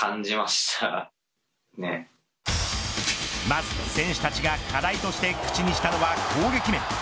まず選手たちが課題として口にしたのは攻撃面。